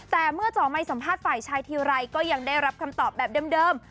แต่เมื่อจ่อไมค์สัมภาษณ์ฝ่ายชายทีไรก็ยังได้รับคำตอบแบบเดิม